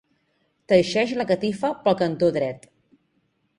Teixeix la catifa pel cantó dret.